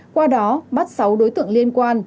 qua đó bắt sáu đối tượng liên quan